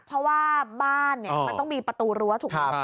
เพราะว่าบ้านมันต้องมีประตูรั้วถูกไหม